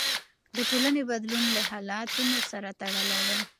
د ټولنې بدلون له حالتونو سره تړلی دی.